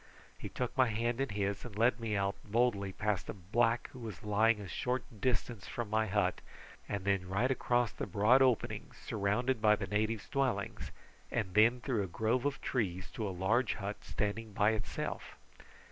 He took my hand in his and led me out boldly past a black who was lying a short distance from my hut, and then right across the broad opening surrounded by the natives' dwellings, and then through a grove of trees to a large hut standing by itself.